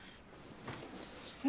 え？